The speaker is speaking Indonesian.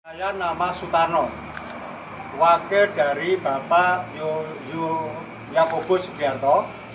saya nama sutarno wakil dari bapak yakobo sugianto